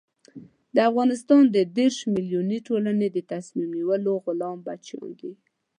د افغانستان د دېرش ملیوني ټولنې د تصمیم نیولو غلام بچیان دي.